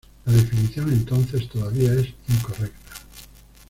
La definición entonces todavía es incorrecta.